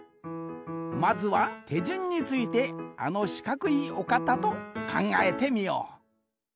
まずはてじゅんについてあのしかくいおかたとかんがえてみよう。